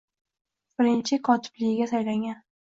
birinchi kotibligiga saylangan.